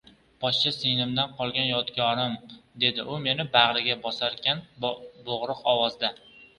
— Poshsha singlimdan qolgan yodgorim! — dedi u meni bag‘riga bosarkan, bo‘g‘iq ovozda.